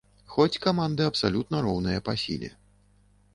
Хоць каманды абсалютна роўныя па сіле.